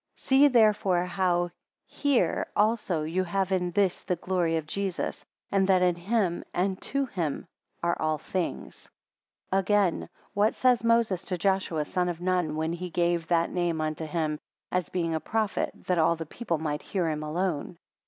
See therefore how here also you have in this the glory of Jesus; and that in him and to him are all things. 12 Again; What says Moses to Joshua, the Son of Nun, when he gave that name unto him, as being a prophet, that all the people might hear him alone?